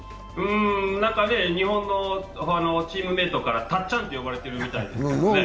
日本のチームメイトからたっちゃんって言われているみたいですね。